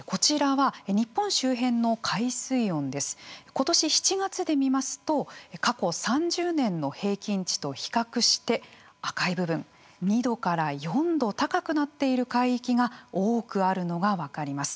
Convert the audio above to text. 今年７月で見ますと過去３０年の平均値と比較して赤い部分２度から４度高くなっている海域が多くあるのが分かります。